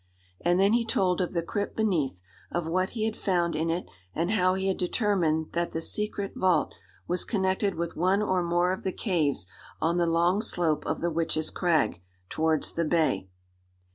And then he told of the crypt beneath, of what he had found in it, and how he had determined that the secret vault was connected with one or more of the caves on the long slope of the Witch's Crag, towards the bay.